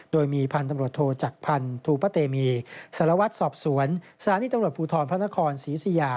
โดยมีพันธ